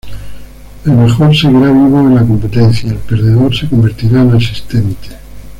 El mejor seguirá vivo en la competencia y el perdedor se convertirá en asistente.